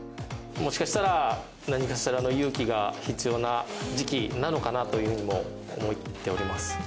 もしかしたら何かしらの勇気が必要な時期なのかなという風にも思っております。